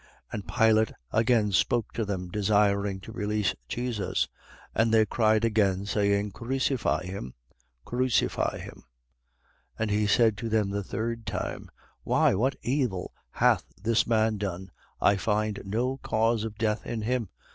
23:20. And Pilate again spoke to them, desiring to release Jesus. 23:21. But they cried again, saying: Crucify him, Crucify him. 23:22. And he said to them the third time: Why, what evil hath this man done? I find no cause of death in him.